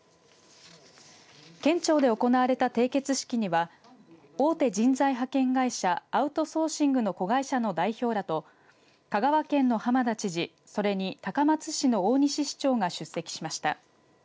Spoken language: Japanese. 県庁で行われた締結式には大手人材派遣会社アウトソーシングの子会社の代表らと香川県の浜田知事それに高松市の大西市長が出席しました。